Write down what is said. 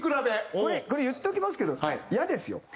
これ言っておきますけどイヤですよ。